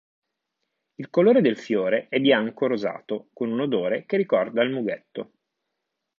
Il colore del fiore è bianco rosato, con un odore che ricorda il mughetto.